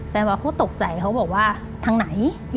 แฟนว่าก็ตกใจเขาบอกว่าทางไหน